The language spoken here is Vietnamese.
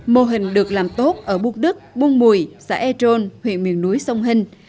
mô hình được làm tốt ở búc đức buôn mùi xã e tron huyện miền núi sông hinh